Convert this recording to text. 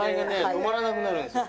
止まらなくなるんですよ」